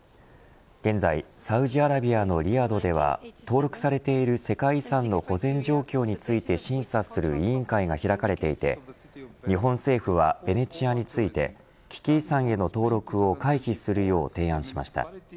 現在サウジアラビアのリヤドでは登録されている世界遺産の保全状況について審査する委員会が開かれていて日本政府は、ベネチアについて危機遺産への登録を回避するよう提案しました。